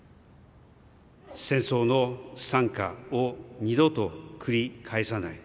戦争の惨禍を二度と繰り返さない。